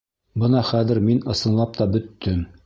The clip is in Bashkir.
Бына хәҙер мин ысынлап та бөттөм!